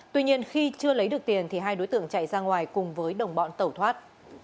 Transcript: tuy nhiên khi chưa lấy được tiền thì hai đối tượng chạy ra ngoài cùng với đồng bọn tẩu thoát